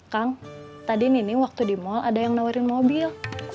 kang tadi nini waktu di mal ada yang menawarkan mobil